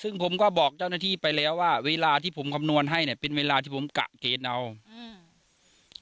ซึ่งผมก็บอกเจ้าหน้าที่ไปแล้วว่าเวลาที่ผมคำนวณให้เนี้ยเป็นเวลาที่ผมกะเกณฑ์เอาอืม